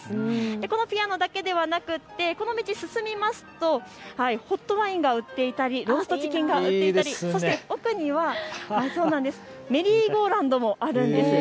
このピアノだけではなくこの道を進みますとホットワインが売っていたりローストチキンが売っていたりそして奥にはメリーゴーラウンドがあるんです。